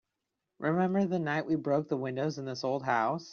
Remember the night we broke the windows in this old house?